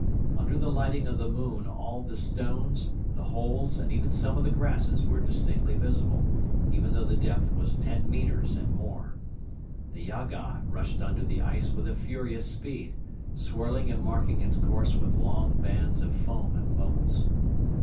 Under the lighting of the moon all the stones, the holes and even some of the grasses were distinctly visible, even though the depth was ten metres and more. The Yaga rushed under the ice with a furious speed, swirling and marking its course with long bands of foam and bubbles.